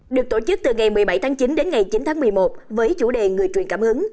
được tổ chức từ ngày một mươi bảy tháng chín đến ngày chín tháng một mươi một với chủ đề người truyền cảm hứng